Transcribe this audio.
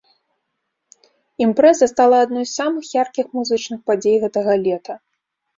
Імпрэза стала адной з самых яркіх музычных падзей гэтага лета.